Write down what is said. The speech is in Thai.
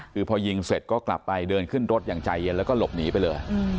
คือพอยิงเสร็จก็กลับไปเดินขึ้นรถอย่างใจเย็นแล้วก็หลบหนีไปเลย